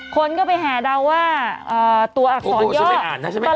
คนก็ไปแห่เดาว่าตัวอักษรย่อโอ้โฮฉันไปอ่านนะใช่ไหม